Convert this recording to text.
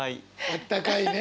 あったかいね。